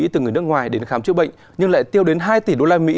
từ người nước ngoài đến khám chữa bệnh nhưng lại tiêu đến hai tỷ usd